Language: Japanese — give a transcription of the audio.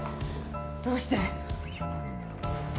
どうして？